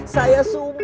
kalau gak ketemu